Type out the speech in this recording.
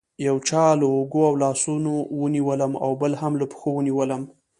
یو چا له اوږو او لاسونو ونیولم او بل هم له پښو ونیولم.